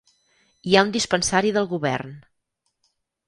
Hi ha un dispensari del govern.